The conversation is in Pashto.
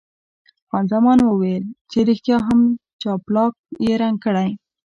خان زمان ویل چې ریښتیا هم جاپلاک یې رنګ کړی.